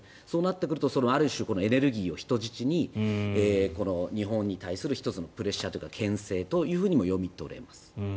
そうなってくるとある種、エネルギーを人質に日本に対する１つのプレッシャーというかけん制というふうにも読み取れます。